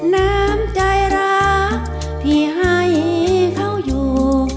น้ำใจรักที่ให้เขาอยู่